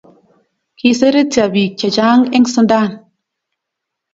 Kiseretyo pik che chang en sundan